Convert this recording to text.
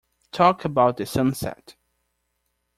Talk about the sunset.